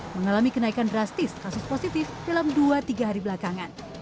mengalami kenaikan drastis kasus positif dalam dua tiga hari belakangan